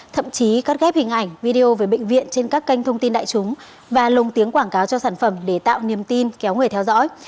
thậm chí cắt ghép hình ảnh video về bệnh viện trên các kênh thông tin đại chúng và lồng tiếng quảng cáo cho sản phẩm để tạo niềm tin kéo người theo dõi